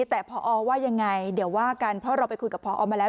แต่พอว่ายังไงเดี๋ยวว่ากันเพราะเราไปคุยกับพอมาแล้ว